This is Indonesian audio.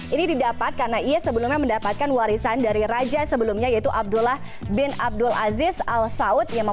ini didapat karena ia sebelumnya mendapatkan warisan dari raja sebelumnya yaitu abdullah bin abdul aziz al saud